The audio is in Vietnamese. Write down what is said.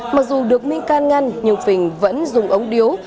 mặc dù được minh can ngăn nhưng phình vẫn dùng ống điếu